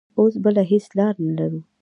اوس بله هېڅ لار نه لرو.